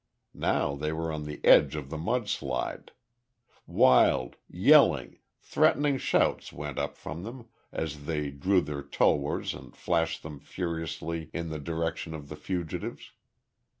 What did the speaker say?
Now they were on the edge of the mud slide. Wild, yelling, threatening shouts went up from them, as they drew their tulwars and flashed them furiously in the direction of the fugitives.